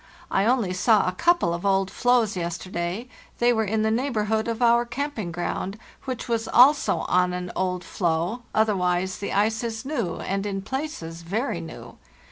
I only saw a couple of old floes yes terday—they were in the neighborhood of our camping ground, which was also on an old floe; otherwise the ice is new, and in places very new.